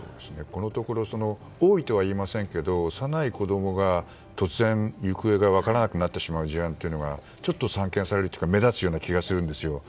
このところ多いとはいいませんが幼い子供が突然行方が分からなくなってしまう事案が散見されるというか目立つ気がするんですよ。